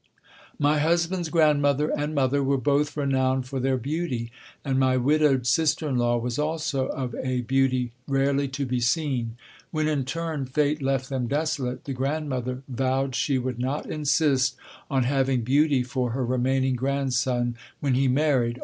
My husband's grandmother and mother were both renowned for their beauty. And my widowed sister in law was also of a beauty rarely to be seen. When, in turn, fate left them desolate, the grandmother vowed she would not insist on having beauty for her remaining grandson when he married.